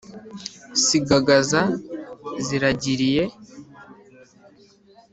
sigagaza ziragiriye